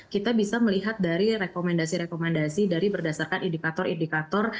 kita bisa melihat dari rekomendasi rekomendasi dari berdasarkan indikator indikator